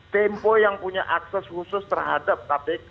tempo yang punya akses khusus terhadap kpk